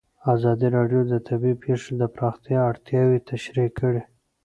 ازادي راډیو د طبیعي پېښې د پراختیا اړتیاوې تشریح کړي.